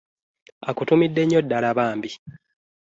Akutumidde nnyo ddala bambi.